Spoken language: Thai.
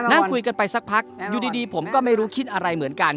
นั่งคุยกันไปสักพักอยู่ดีผมก็ไม่รู้คิดอะไรเหมือนกัน